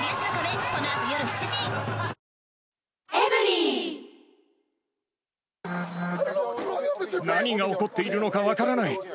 茨城、何が起こっているのか分からない。